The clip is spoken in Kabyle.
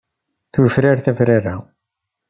Tufrar tafrara.